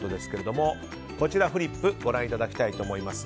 こちらのフリップをご覧いただきたいと思います。